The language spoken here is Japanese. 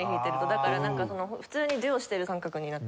だからなんか普通にデュオしてる感覚になって。